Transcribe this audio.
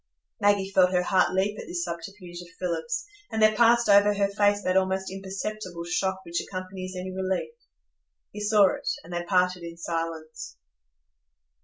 Maggie felt her heart leap at this subterfuge of Philip's, and there passed over her face that almost imperceptible shock which accompanies any relief. He saw it, and they parted in silence.